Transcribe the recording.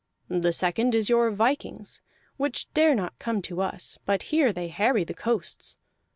The second is your vikings, which dare not come to us, but here they harry the coasts.